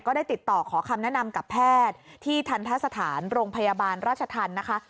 ก็ได้ติดต่อขอคำแนะนำกับแพทย์ที่ทรรษฐานโรงพยาบาลราชทันนะคะ